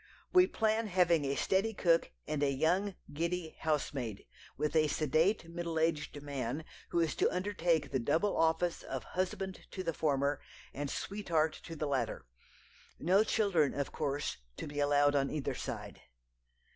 We plan having a steady cook and a young, giddy housemaid, with a sedate, middle aged man, who is to undertake the double office of husband to the former, and sweetheart to the latter. No children, of course, to be allowed on either side."